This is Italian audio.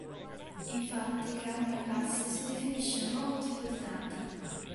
Infatti creando una classe, si definisce un nuovo tipo di dati.